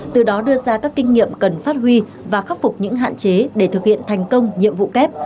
từ đó đưa ra các kinh nghiệm cần phát huy và khắc phục những hạn chế để thực hiện thành công nhiệm vụ kép